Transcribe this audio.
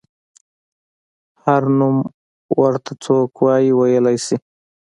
هر نوم ورته څوک وايي ویلی شي.